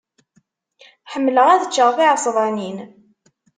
Ḥemmleɣ ad ččeɣ tiɛesbanin.